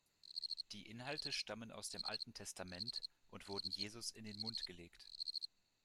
Die Inhalte stammen aus dem Alten Testament und wurden Jesus in den Mund gelegt.